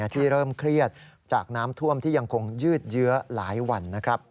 ที่เริ่มเครียดจากน้ำท่วมที่ยังคงยืดเยื้อหลายวัน